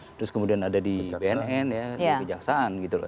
terus kemudian ada di bnn kejaksaan gitu loh